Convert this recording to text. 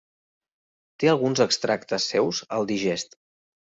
Té alguns extractes seus al Digest.